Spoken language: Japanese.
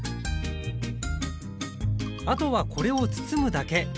あとはこれを包むだけ。